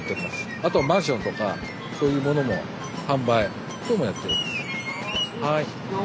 あとマンションとかそういうものも販売等もやっております。